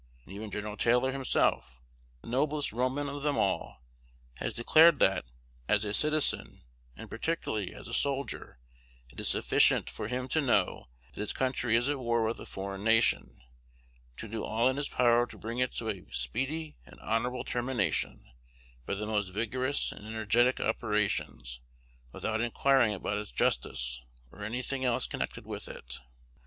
And even Gen. Taylor himself, the noblest Roman of them all, has declared that, as a citizen, and particularly as a soldier, it is sufficient for him to know that his country is at war with a foreign nation, to do all in his power to bring it to a speedy and honorable termination, by the most vigorous and energetic operations, without inquiring about its justice, or any thing else connected with it.